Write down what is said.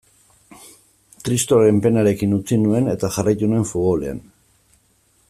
Kristoren penarekin utzi nuen, eta jarraitu nuen futbolean.